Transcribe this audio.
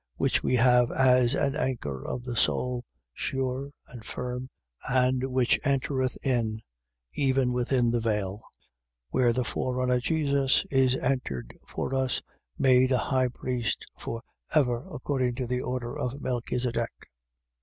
6:19. Which we have as an anchor of the soul, sure and firm, and which entereth in even within the veil: 6:20. Where the forerunner Jesus is entered for us, made a high priest for ever according to the order of Melchisedech.